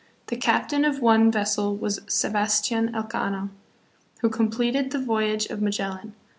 2 The captain of one ves sel was Sebastian Elcano, who completed the voyage of Magellan.